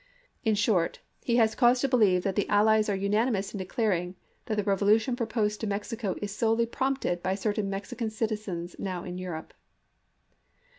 In short, he has cause to believe that the allies are unanimous in declaring that the revolution proposed to Mexico is solely prompted by certain Mexican citizens now in Europe.